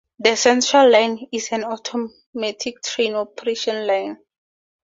The Central line is an automatic train operation line.